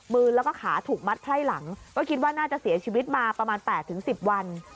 มือแล้วก็ขาถูกมัดไพร่หลังก็คิดว่าน่าจะเสียชีวิตมาประมาณ๘๑๐วัน